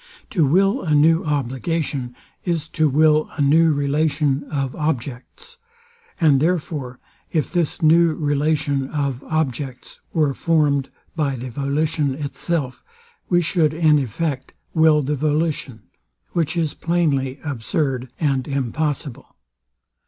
To will a new obligation, is to will a new relation of objects; and therefore, if this new relation of objects were form'd by the volition itself, we should in effect will the volition; which is plainly absurd and impossible.